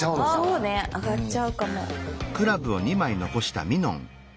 そうねあがっちゃうかも。